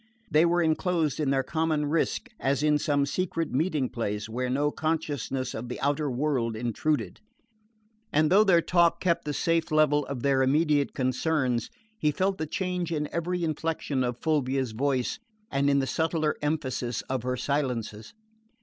They were enclosed in their common risk as in some secret meeting place where no consciousness of the outer world intruded; and though their talk kept the safe level of their immediate concerns he felt the change in every inflection of Fulvia's voice and in the subtler emphasis of her silences.